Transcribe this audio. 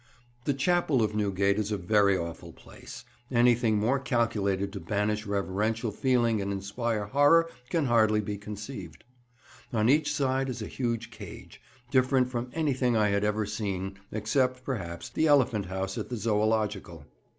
The Chapel of Newgate is a very awful place; anything more calculated to banish reverential feeling and inspire horror can hardly be conceived. On each side is a huge cage, different from anything I had ever seen, except, perhaps, the elephant house at the Zoological.